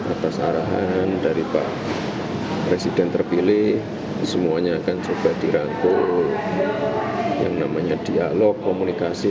atas arahan dari pak presiden terpilih semuanya akan coba dirangkul yang namanya dialog komunikasi